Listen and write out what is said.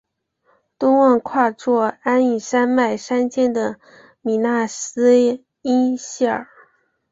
东望跨坐黯影山脉山肩的米那斯伊希尔。